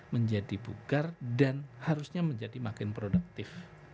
menjadi bugar dan harusnya menjadi makin produktif